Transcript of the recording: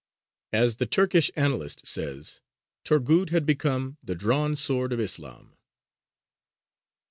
As the Turkish annalist says, "Torghūd had become the drawn sword of Islam."